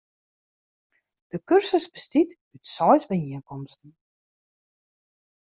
De kursus bestiet út seis byienkomsten.